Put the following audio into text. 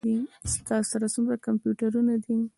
ستاسو سره څومره کمپیوټرونه دي؟